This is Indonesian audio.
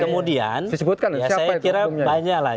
kemudian ya saya kira banyak lah